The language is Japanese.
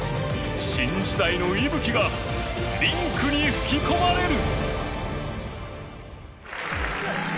新時代の息吹がリンクに吹き込まれる！